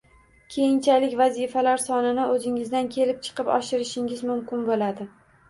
Keyinchalik vazifalar sonini o’zingizdan kelib chiqib oshirishingiz mumkin bo’ladi